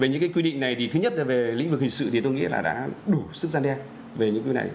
về những cái quy định này thì thứ nhất là về lĩnh vực hình sự thì tôi nghĩ là đã đủ sức gian đe về những quy định này